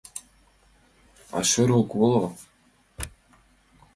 А шӧр ок воло.